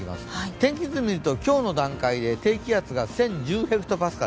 天気図を見ると、今日の段階で低気圧が１０１６ｈＰａ。